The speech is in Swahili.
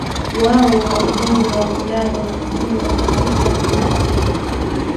wao wa Umoja wa Ulaya na wengine wakakesha kwa